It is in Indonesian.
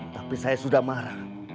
tapi saya sudah marah